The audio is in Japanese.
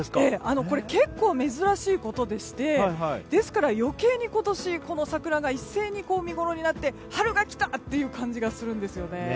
これ結構珍しいことでしてですから余計に今年桜が一斉に見ごろになって春が来た！という感じがするんですよね。